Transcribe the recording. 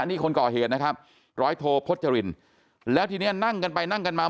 นี่คนก่อเหตุนะครับร้อยโทพจรินแล้วทีนี้นั่งกันไปนั่งกันมา